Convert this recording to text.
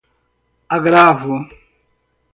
agravo